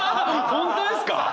本当ですか！？